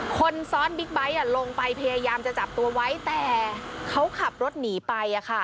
คนซ้อนบิ๊กไบท์ลงไปพยายามจะจับตัวไว้แต่เขาขับรถหนีไป